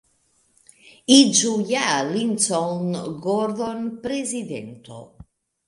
Iĝu ja Lincoln Gordon prezidento!